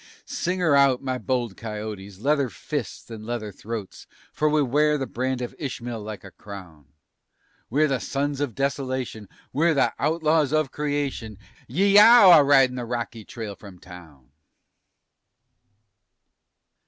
Sing 'er out, my bold coyotes! leather fists and leather throats, For we wear the brand of Ishm'el like a crown. We're the sons o' desolation, we're the outlaws of creation Ee yow! a ridin' up the rocky trail from town!